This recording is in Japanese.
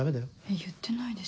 言ってないです。